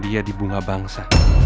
dia di bunga bangsa